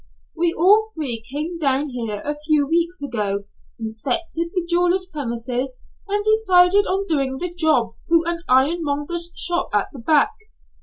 We all three came down here a few weeks ago, inspected the jeweller's premises, and decided on doing the job through an ironmonger's shop at the back.